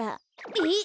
えっ？